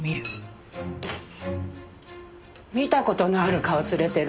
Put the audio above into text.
見た事のある顔連れてるね。